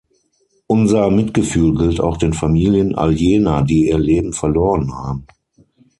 Unser Mitgefühl gilt auch den Familien all jener, die ihr Leben verloren haben.